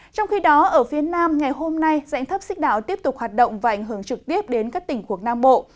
trong khi đó ở phía nam ngày hôm nay dãy thấp xích đảo tiếp tục hoạt động và ảnh hưởng trực tiếp đến các tỉnh của nam bộ